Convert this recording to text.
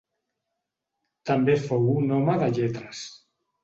També fou un home de lletres.